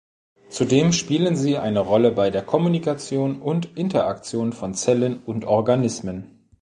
Zudem spielen sie eine Rolle bei der Kommunikation und Interaktion von Zellen und Organismen.